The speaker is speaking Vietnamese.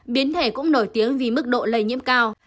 biến thể cũng nổi tiếng vì mức độ lây nhiễm cao